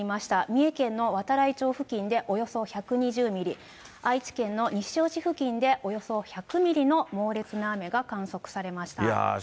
三重県の度会町付近でおよそ１２０ミリ、愛知県の西尾市付近でおよそ１００ミリの猛烈な雨が観測されましいやー